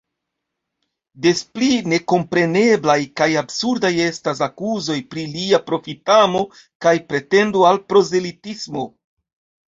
Des pli nekompreneblaj kaj absurdaj estas akuzoj pri lia profitamo kaj pretendo al prozelitismo.